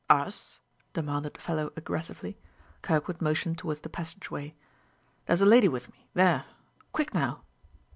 "Us?" demanded the fellow aggressively. Kirkwood motioned toward the passageway. "There's a lady with me there. Quick now!"